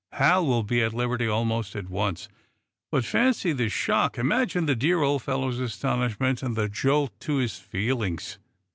"Hal will be at liberty almost at once. But fancy the shock! Imagine the dear old fellow's astonishment, and the jolt to his feelings."